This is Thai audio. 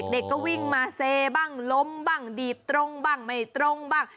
เด็กก็วิ่งมาเซบ้างล้มบ้างดีดตรงบ้างไม่ตรงบ้าง